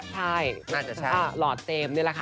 ใช่น่าจะช่าง